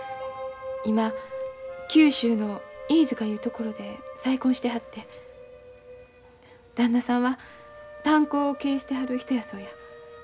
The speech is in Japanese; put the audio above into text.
今九州の飯塚いう所で再婚してはって旦那さんは炭鉱を経営してはる人やそうや。